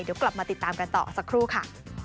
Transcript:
เดี๋ยวกลับมาติดตามกันต่อสักครู่ค่ะ